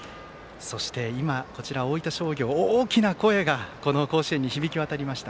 そして、大分商業大きな声が甲子園に響き渡りました。